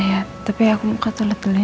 ya tapi aku mau ke toilet dulu ya